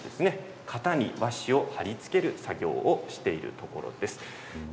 型に和紙を貼り付ける作業をしているところです。